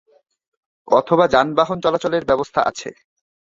অথবা যানবাহন চলাচলের ব্যবস্থা আছে।